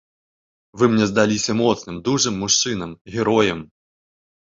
Вы мне здаліся моцным, дужым мужчынам, героем.